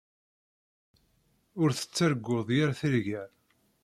Ur tettarguḍ yir tirga.